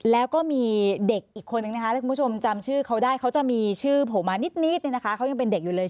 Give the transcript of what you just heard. แล้วก็มีเด็กอีกคนนึงนะคะถ้าคุณผู้ชมจำชื่อเขาได้เขาจะมีชื่อผมมานิดเขายังเป็นเด็กอยู่เลย